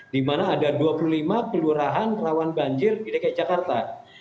di mana ada dua puluh lima kelurahan rawan banjir di dki jakarta